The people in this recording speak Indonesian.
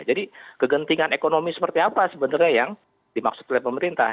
jadi kegentingan ekonomi seperti apa sebenarnya yang dimaksud oleh pemerintah